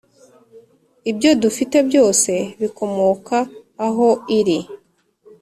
ibyo dufite byose bikomoka aho iri.